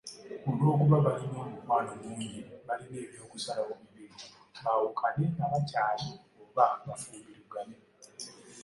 Olw'okuba balina omukwano mungi balina eby'okusalawo bibiri, baawukane nga bukyali oba bafumbirigane.